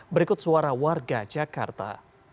berikut suara warga jakarta